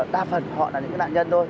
đa phần họ là những nạn nhân thôi